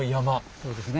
そうですね。